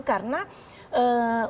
karena untuk kondisi terkini